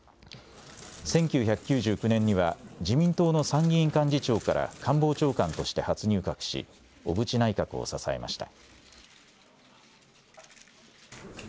１９９９年には、自民党の参議院幹事長から官房長官として初入閣し、小渕内閣を支えました。